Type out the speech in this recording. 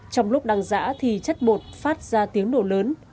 trong lúc đăng giã thì chất bột phát ra tiếng nổ lớn